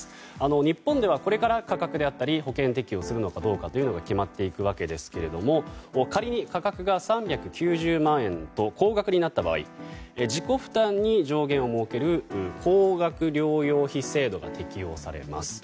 日本ではこれから価格であったり保険適用するかどうかが決まっていくわけですが仮に価格が３９０万円と高額になった場合自己負担に上限を設ける高額療養費制度が適用されます。